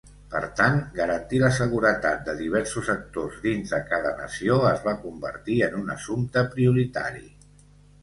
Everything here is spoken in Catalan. Per tant, garantir la seguretat de diversos actors dins de cada nació es va convertir en un assumpte prioritari.